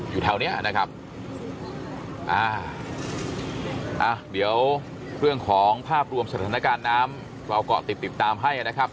แถวเนี้ยนะครับอ่าอ่ะเดี๋ยวเรื่องของภาพรวมสถานการณ์น้ำเราก็ติดติดตามให้นะครับ